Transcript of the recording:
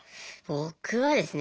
僕はですね